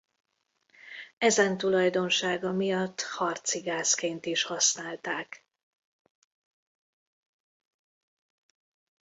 Ezen tulajdonsága miatt harci gázként is használták.